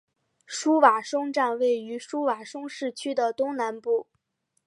苏瓦松站位于苏瓦松市区的东南部。